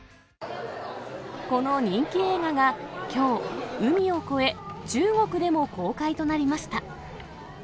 この人気映画が、きょう、海を越え、中国でも公開となりました。